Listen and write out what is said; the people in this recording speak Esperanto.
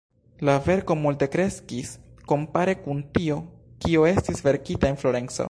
La verko multe kreskis kompare kun tio, kio estis verkita en Florenco.